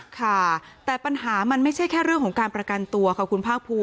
ค่ะแต่ปัญหามันไม่ใช่แค่เรื่องของการประกันตัวค่ะคุณภาคภูมิ